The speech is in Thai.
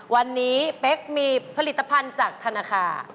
วันนี้เป๊กมีผลิตภัณฑ์จากธนาคาร